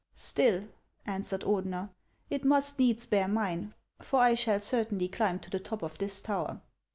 " Still," answered Ordener, " it must needs bear mine, for I shall certainly climb to the top of this tower."